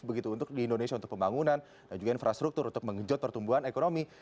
begitu untuk di indonesia untuk pembangunan dan juga infrastruktur untuk mengejut pertumbuhan ekonomi